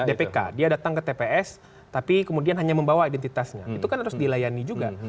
dpk dia datang ke tps tapi kemudian hanya membawa identitasnya itu kan harus dilayani juga